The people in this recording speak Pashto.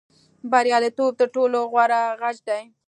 بریالیتوب تر ټولو غوره غچ دی.